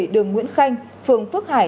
đường nguyễn khanh phường phước hải